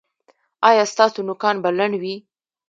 ایا ستاسو نوکان به لنډ وي؟